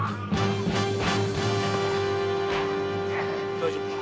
大丈夫か？